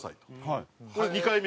はい。